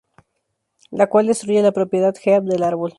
Lo cual destruye la propiedad heap del árbol.